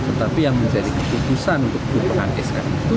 tetapi yang menjadi keputusan untuk perubahan skm itu